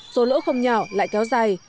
số lỗ không nhỏ lại kéo dài